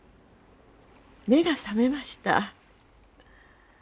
目が覚めました。